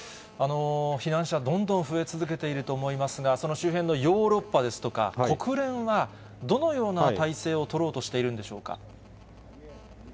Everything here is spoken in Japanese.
避難者、どんどん増え続けていると思いますが、その周辺のヨーロッパですとか、国連はどのような態勢を取ろうとしているんでしょうか。